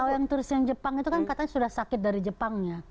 kalau yang turis yang jepang itu kan katanya sudah sakit dari jepangnya